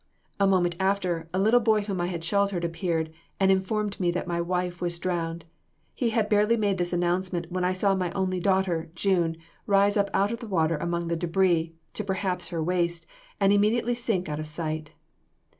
A moment after, a little boy whom I had sheltered, appeared and informed me that my wife was drowned; he had barely made this announcement when I saw my only daughter, June, rise up out of the water among the debris to perhaps her waist, and immediately sink out of sight.